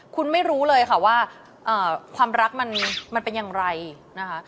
คุณไม่รู้เลยค่ะว่าความรักมันเป็นอย่างไรนะคะ